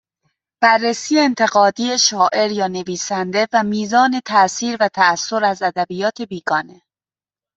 بررسی انتقادی شاعر یا نویسنده و میزان تاثیر و تاثر از ادبیات بیگانه